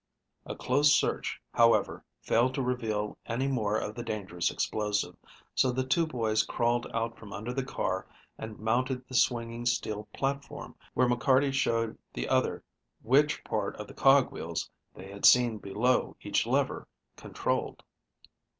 A close search, however, failed to reveal any more of the dangerous explosive, so the two boys crawled out from under the car and mounted the swinging steel platform, where McCarty showed the other which part of the cog wheels they had seen below each lever controlled.